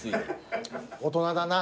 大人だな。